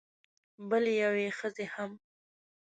بلې یوې ښځې هم